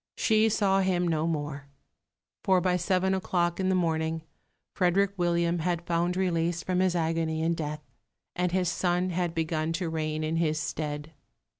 She saw him no more; for by seven o'clock in the morning Frederick William had found release from his agony in death, and his son had begun to reign in his stead.